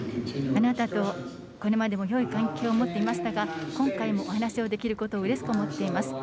あなたとこれまでもよい関係を持ってきましたが今回もお話をできることをうれしく思っています。